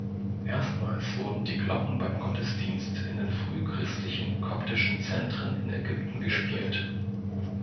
Erstmals wurden die Glocken beim Gottesdienst in den frühchristlichen koptischen Zentren in Ägypten gespielt.